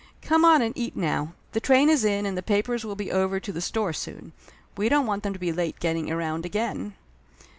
"Come on and eat now. The train is in and the papers will be over to the store soon. We don't want them to be late getting around again!"